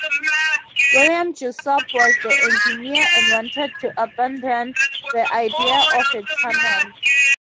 William Jessop was the engineer and wanted to abandon the idea of a tunnel.